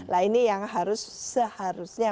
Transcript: nah ini yang harus seharusnya